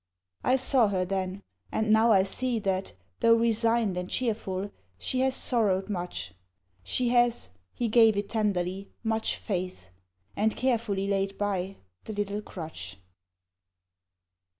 I saw her then, and now I see That, though resigned and cheerful, she Has sorrowed much: She has, He gave it tenderly, Much faith; and carefully laid by, The little crutch.